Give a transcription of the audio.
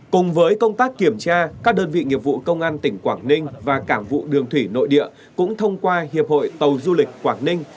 cùng với công tác kiểm tra các đơn vị nghiệp vụ công an tỉnh quảng ninh và cảng vụ đường thủy nội địa cũng thông qua hiệp hội tàu du lịch quảng ninh